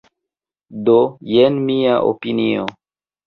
Do jen mia opinio.